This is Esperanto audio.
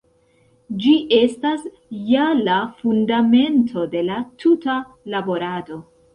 Ĝi estas ja la fundamento de la tuta laborado.